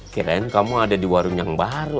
kirain kamu ada di warung yang baru